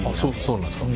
そうなんですか？